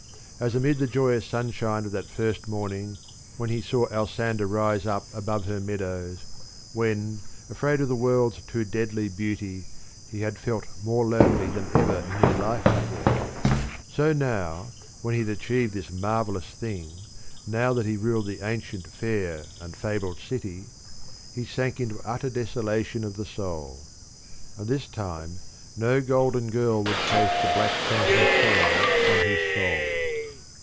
As amid the joyous sunshine of that first morning when he saw Alsander rise up above her meadows, when, afraid of the world's too deadly beauty, he had felt more lonely than ever in his life before, so now when he had achieved this marvellous thing, now that he ruled the ancient, fair and fabled city, he sank into utter desolation of the soul. And this time no golden girl would chase the black phantom of sorrow from his soul.